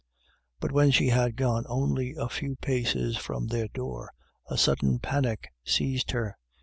But when she had gone only a few paces from their door, a sudden panic seized her.